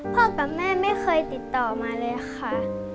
กับแม่ไม่เคยติดต่อมาเลยค่ะ